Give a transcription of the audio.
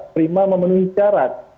prima memenuhi syarat